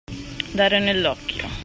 Dare nell'occhio.